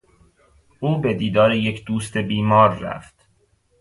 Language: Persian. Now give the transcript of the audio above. او به دیدار یک دوست بیمار رفت.